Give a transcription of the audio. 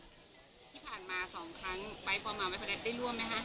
ที่ผ่านมาสองครั้งไปประมาณไว้พระเด็นได้ร่วมไหมครับ